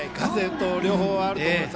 両方あると思います。